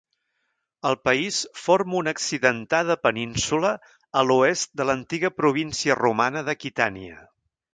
El país forma una accidentada península a l'oest de l'antiga província romana d'Aquitània.